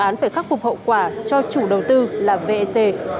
như là vec